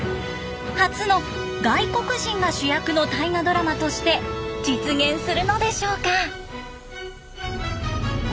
初の外国人が主役の大河ドラマとして実現するのでしょうか？